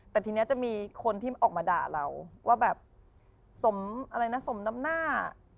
แต่ทีนี้จะมีคนที่ออกมาด่าเราว่าแบบสมอะไรนะสมน้ำหน้า